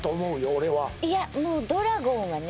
俺はいやもうドラゴンはね